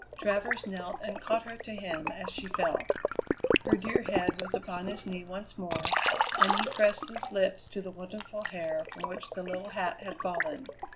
Travers knelt and caught her to him as she fell. Her dear head was upon his knee once more, and he pressed his lips to the wonderful hair from which the little hat had fallen.